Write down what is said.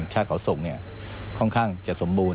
ของชาติเขาศกเนี่ยค่อนข้างจะสมบูรณ์